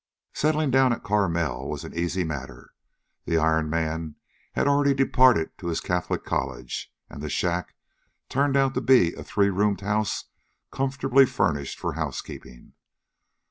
Settling down at Carmel was an easy matter. The Iron Man had already departed to his Catholic college, and the "shack" turned out to be a three roomed house comfortably furnished for housekeeping.